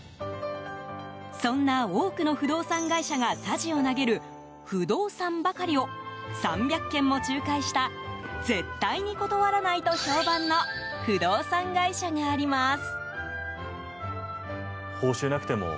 そんな多くの不動産会社がさじを投げる負動産ばかりを３００件も仲介した絶対に断らないと評判の不動産会社があります。